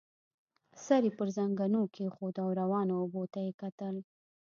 سر يې پر زنګنو کېښود او روانو اوبو ته يې کتل.